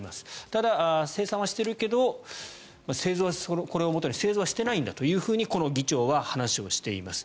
ただ、生産はしているけどこれをもとに製造はしていないんだとこの議長は話をしています。